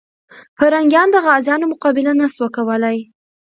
پرنګیان د غازيانو مقابله نه سوه کولای.